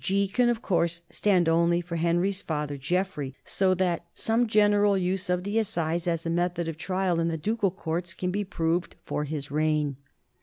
G can, of course, stand only for Henry's father Geoffrey, so that some general use of the assize as a method of trial in the ducal courts can be proved for his reign.